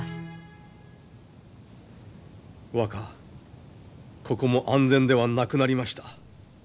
若ここも安全ではなくなりました。